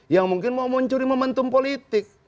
yang mungkin mau mencuri momentum politik